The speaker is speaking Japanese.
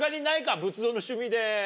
仏像の趣味で。